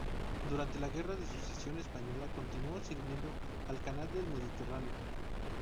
Durante la guerra de Sucesión española continuó sirviendo al canal del Mediterráneo.